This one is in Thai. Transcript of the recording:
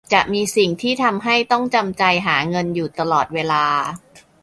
จะมีสิ่งที่ทำให้ต้องจำใจหาเงินอยู่ตลอดเวลา